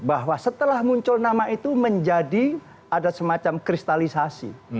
bahwa setelah muncul nama itu menjadi ada semacam kristalisasi